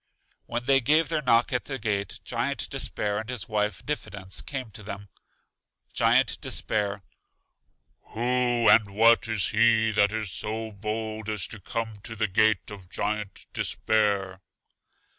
When they gave their knock at the gate, Giant Despair and his wife Diffidence, came to them. Giant Despair: Who and what is he that is so bold as to come to the gate of Giant Despair?